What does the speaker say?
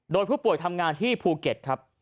โดยผู้ป่วยทำงานที่ภูเก็ตครับ